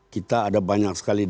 kita ada banyak sekali